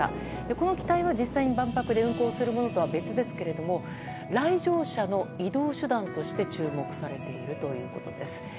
この機体は実際に万博で運航するものとは別ですが来場者の移動手段として注目されています。